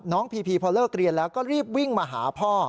พีพีพอเลิกเรียนแล้วก็รีบวิ่งมาหาพ่อ